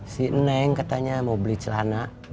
si neng katanya mau beli celana